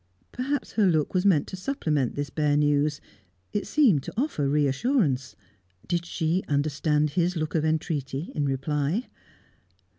Perhaps her look was meant to supplement this bare news. It seemed to offer reassurance. Did she understand his look of entreaty in reply?